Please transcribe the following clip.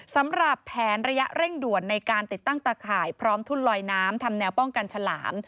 สำหรับแผนระยะเร่งด่วนในการติดตั้งตาข่ายพร้อมทุ่นลอยน้ำทำแนวป้องกันฉลาม